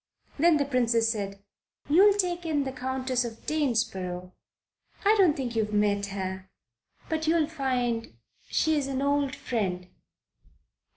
Then the Princess said: "You'll take in the Countess of Danesborough. I don't think you've met her; but you'll find she's an old friend."